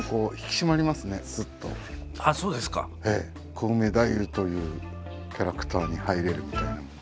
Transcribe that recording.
コウメ太夫というキャラクターに入れるみたいな。